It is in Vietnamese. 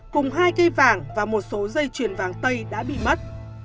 cùng hai cây vàng và một số dây chuyền vàng tây đã bị mất